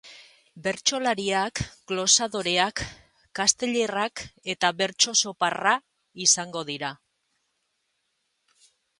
Bertsolariak, glosadoreak, casteller-ak eta bertso-soparra izango dira.